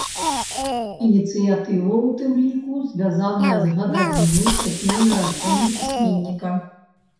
Ініцыятыва ў тым ліку звязаная з гадавінай са дня нараджэння пісьменніка.